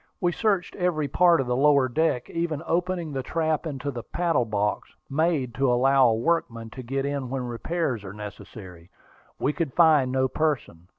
We searched every part of the lower deck, even opening the trap into the paddle box, made to allow a workman to get in when repairs were necessary. We could find no person.